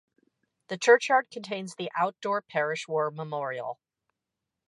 The churchyard contains the outdoor parish war memorial.